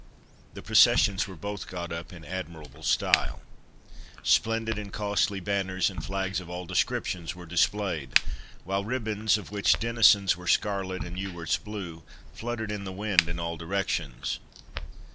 The processions were both got up in admirable style; splendid and costly banners and flags of all descriptions were displayed, while ribbons, of which Denison's were scarlet, and Ewart's blue, fluttered in the wind in all directions.